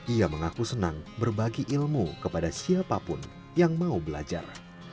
ia mengaku senang berbagi ilmu kepada siapapun yang mau belajar